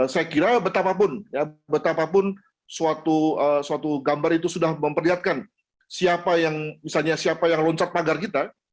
saya kira betapapun ya betapapun suatu gambar itu sudah memperlihatkan siapa yang misalnya siapa yang loncat pagar kita